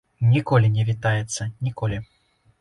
Ніколі не вітаецца, ніколі.